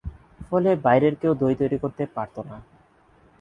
ফলে বাইরের কেউ দই তৈরি করতে পারত না।